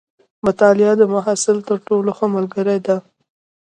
مطالعه د محصل تر ټولو ښه ملګرې ده.